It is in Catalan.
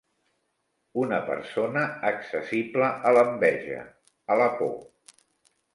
Una persona accessible a l'enveja, a la por.